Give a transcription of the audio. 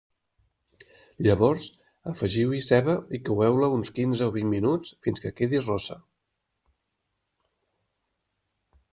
Llavors afegiu-hi ceba i coeu-la uns quinze o vint minuts fins que quedi rossa.